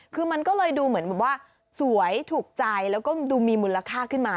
คือมันก็เลยดูเหมือนแบบว่าสวยถูกใจแล้วก็ดูมีมูลค่าขึ้นมา